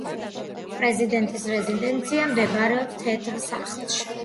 პრეზიდენტის რეზიდენცია მდებარეობს თეთრ სახლში.